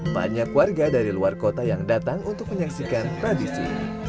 banyak warga dari luar kota yang datang untuk menyaksikan tradisi